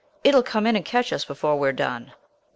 It'll come in and catch us before we've done!"